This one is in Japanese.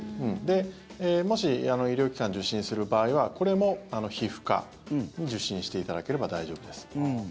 もし医療機関を受診する場合はこれも皮膚科に受診していただければ大丈夫です。